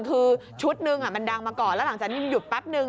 คือชุดหนึ่งมันดังมาก่อนแล้วหลังจากนี้มันหยุดแป๊บนึง